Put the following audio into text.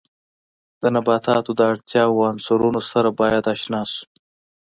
د نباتاتو د اړتیاوو عنصرونو سره باید آشنا شو.